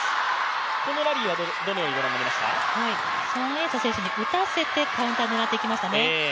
エイ莎選手に打たせてカウンターを狙ってきましたね。